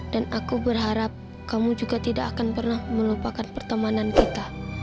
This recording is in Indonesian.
dan aku berharap kamu juga tidak akan pernah melupakan pertemanan kita